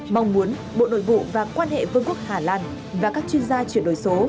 mong muốn bộ nội vụ và quan hệ vương quốc hà lan và các chuyên gia chuyển đổi số